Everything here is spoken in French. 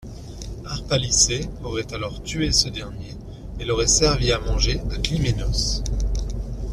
Harpalycé aurait alors tué ce dernier et l'aurait servi à manger à Clyménos.